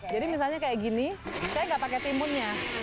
jadi misalnya kayak gini saya gak pakai timunnya